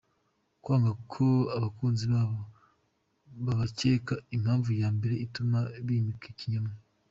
Kwanga ko abakunzi babo babakeka; impamvu ya mbere ituma bimika ikinyoma.